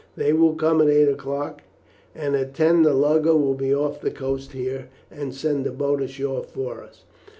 They will come at eight o'clock, and at ten the lugger will be off the coast here and send a boat ashore for us.